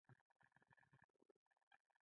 که پلان وي، باید د سرچینو او ابزارو په اړه پوه شئ.